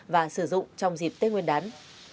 và sử dụng trong dịp tết nguyên đán